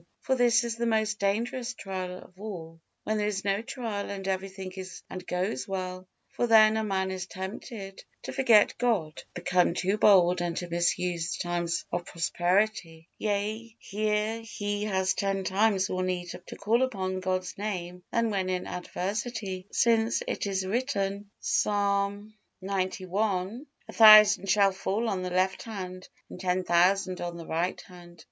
For this is the most dangerous trial of all, when there is no trial and every thing is and goes well; for then a man is tempted to forget God, to become too bold and to misuse the times of prosperity. Yea, here he has ten times more need to call upon God's Name than when in adversity. Since it is written, Psalm xci, "A thousand shall fall on the left hand and ten thousand on the right hand."